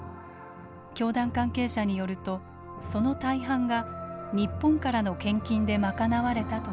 教団関係者によるとその大半が日本からの献金で賄われたといいます。